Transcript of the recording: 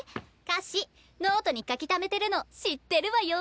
歌詞ノートに書きためてるの知ってるわよ。